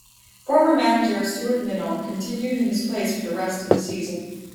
Former Manager, Stuart Minall, continued in his place for the rest of the season.